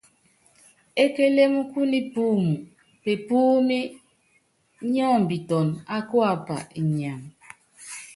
Ékélém kú nipúum, pepúúmi nyɔ́mbiton á kuapa inyam.